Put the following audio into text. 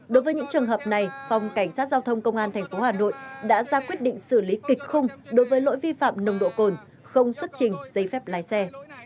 đối với những trường hợp này phòng cảnh sát giao thông công an tp hà nội đã ra quyết định xử lý kịch khung đối với lỗi vi phạm nồng độ cồn không xuất trình giấy phép lái xe